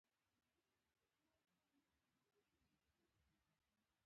دوه زره بیتونو هجا جوړولو ته مجبور کړي.